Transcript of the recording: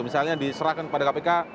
misalnya diserahkan pada kpk